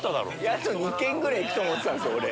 あと２軒ぐらい行くと思ってたんですよ俺。